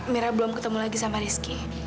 mira belum ketemu lagi sama rizky